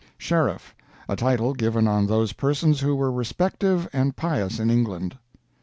Sheriff; a tittle given on those persons who were respective and pious in England."